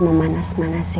mekanya mas bram dan i